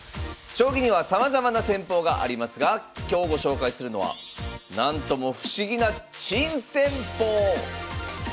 将棋にはさまざまな戦法がありますが今日ご紹介するのはなんとも不思議な珍戦法。